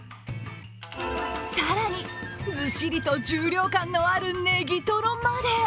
更に、ずしりと重量感のあるネギトロまで。